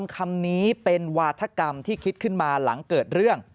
คำนี้เป็นวาธกรรมที่คิดขึ้นมาหลังเกิดเรื่อง